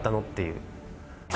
っていう。